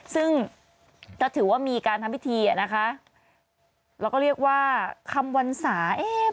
ซึ่งก็ถือว่ามีการทำพิธีเราก็เรียกว่าคำวันศา